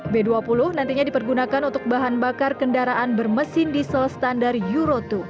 b dua puluh nantinya dipergunakan untuk bahan bakar kendaraan bermesin diesel standar euro dua